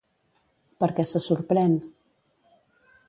Per què se sorprèn?